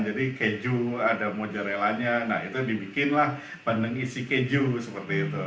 jadi keju ada mozzarellanya nah itu dibikinlah bandeng isi keju seperti itu